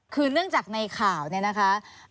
คือเนื่องจากในข่าวเนี่ยนะคะ